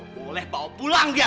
boleh bawa pun ya